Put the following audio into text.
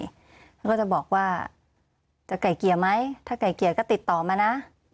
เขาก็จะบอกว่าจะไก่เกลี่ยไหมถ้าไก่เกลี่ยก็ติดต่อมานะ